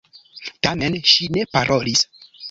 Tamen ŝi ne parolis.